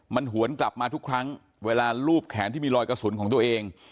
มันหวนกลับมาทุกครั้งเวลารูปแขนที่มีรอยกระสุนของตัวเอง